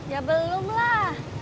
ya belum lah